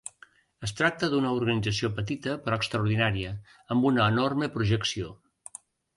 Es tracta d'una organització petita però extraordinària, amb una enorme projecció.